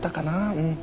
うん。